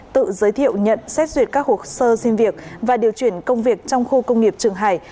tự giới thiệu nhận xét duyệt các hồ sơ xin việc và điều chuyển công việc trong khu công nghiệp trường hải